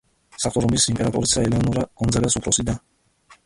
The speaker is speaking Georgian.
საღვთო რომის იმპერატრიცა ელეონორა გონძაგას უფროსი და.